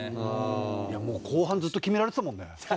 いやもう後半ずっと決められてたもんね。